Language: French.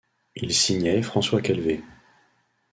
Il signait François-Quelvée.